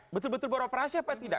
betul betul beroperasi apa tidak